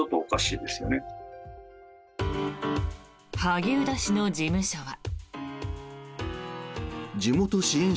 萩生田氏の事務所は。